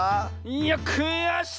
いやくやしい！